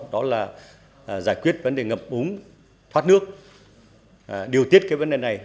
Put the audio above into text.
đó là giải quyết vấn đề ngập uống thoát nước điều tiết cái vấn đề này